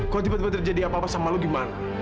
kok tiba tiba terjadi apa apa sama lo gimana